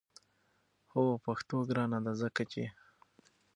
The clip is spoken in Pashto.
هو پښتو ګرانه ده! ځکه چې